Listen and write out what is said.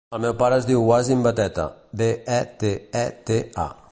El meu pare es diu Wassim Beteta: be, e, te, e, te, a.